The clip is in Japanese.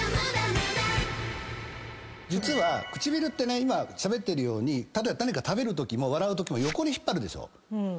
唇って今しゃべってるように何か食べるときも笑うときも横に引っ張るでしょ。